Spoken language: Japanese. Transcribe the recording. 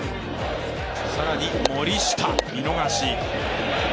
更に森下、見逃し。